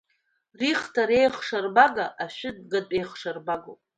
Рихтер иеихшарбага ашәагатә еихшарбагоуп.